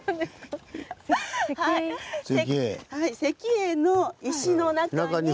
石英の石の中に。